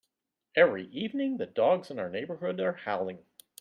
Every evening, the dogs in our neighbourhood are howling.